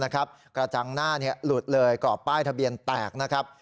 กระจังหน้าหลุดเลยกรอบป้ายทะเบียนแตกนะครับ